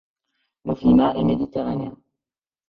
Le climat est méditerranéen.